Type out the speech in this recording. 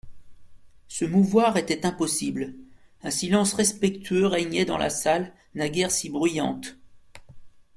Se mouvoir était impossible: un silence respectueux régnait dans la salle, naguère si bruyante.